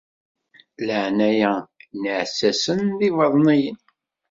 Leɛnaya n yiɛessasen d yibaḍniyen.